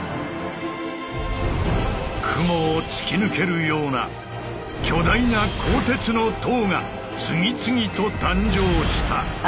雲を突き抜けるような巨大な鋼鉄の塔が次々と誕生した。